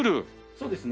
そうですね。